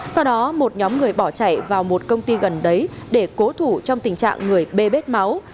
sau đó một nhóm người bỏ chạy vào một công ty gần đấy để cố thủ trong tình trạng người bê vết máu